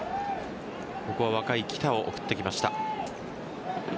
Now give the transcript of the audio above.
ここは若い来田を送ってきました。